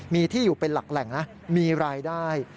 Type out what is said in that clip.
มีที่อยู่เป็นหลักแหล่งนะมีรายได้